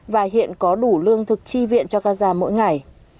và hiện có đủ lương thực chi viện cho gaza mỗi ngày